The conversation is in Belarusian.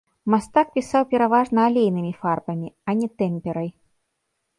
Мастак пісаў пераважна алейнымі фарбамі, а не тэмперай.